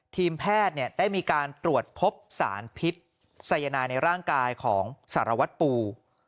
ทีมแพทย์ได้มีการตรวจพบสารพิษสายนายในร่างกายของสารวัตรปู